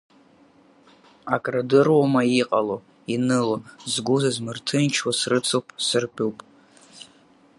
Акраадыруама иҟало, иныло, згәы зызмырҭынчуа срыцуп, сыртәуп.